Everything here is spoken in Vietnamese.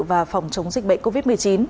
và phòng chống dịch bệnh covid một mươi chín